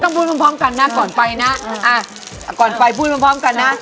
ต้องพูดพร้อมพร้อมกันน่ะก่อนไปน่ะอ่ะก่อนไปพูดพร้อมพร้อมกันน่ะ